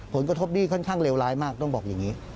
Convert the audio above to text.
ผลกระทบนี่ค่อนข้างเลวร้ายมากต้องบอกอย่างนี้